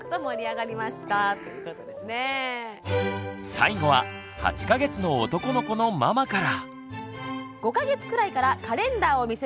最後は８か月の男の子のママから。